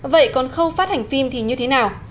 vậy còn khâu phát hành phim thì như thế nào